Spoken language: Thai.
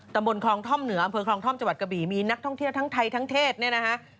บนคลองท่อมเหนืออำเภอคลองท่อมจังหวัดกะบี่มีนักท่องเที่ยวทั้งไทยทั้งเทศเนี่ยนะฮะ